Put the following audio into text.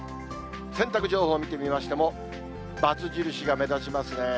洗濯情報見てみましても、ばつ印が目立ちますね。